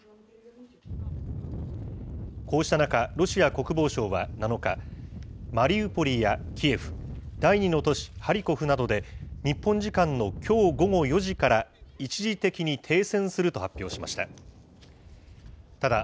こうした中、ロシア国防省は７日、マリウポリやキエフ、第２の都市ハリコフなどで、日本時間のきょう午後４時から一時的に停戦すると発表しました。